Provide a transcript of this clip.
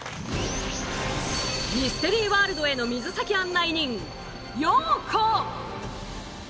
ミステリーワールドへの水先案内人ＹＯＫＯ。